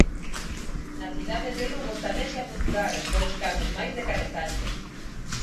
Na cidade de Lugo tamén se apuntaron dous casos máis de carretaxe.